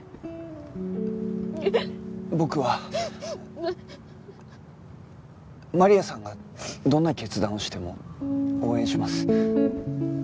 僕はマリアさんがどんな決断をしても応援します。